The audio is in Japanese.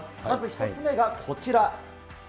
まず１つ目がこちら。